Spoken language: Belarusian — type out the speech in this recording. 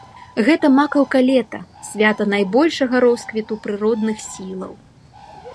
Гэта макаўка лета, свята найбольшага росквіту прыродных сілаў.